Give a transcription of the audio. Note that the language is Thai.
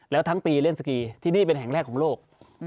แล้วทั้งปีเล่นสกีที่นี่เป็นแห่งแรกของโลก